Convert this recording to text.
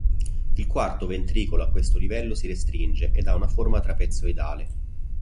Il quarto ventricolo a questo livello si restringe ed ha una forma trapezoidale.